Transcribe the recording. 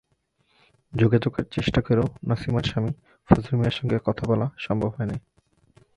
যোগাযোগের চেষ্টা করেও নাসিমার স্বামী ফজলু মিয়ার সঙ্গে কথা বলা সম্ভব হয়নি।